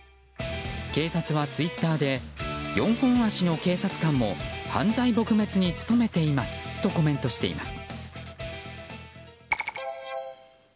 警察はツイッターで４本足の警察官も犯罪撲滅に努めていますとコメントしています。